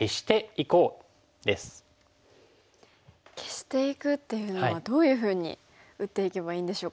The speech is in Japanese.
消していくっていうのはどういうふうに打っていけばいいんでしょうか。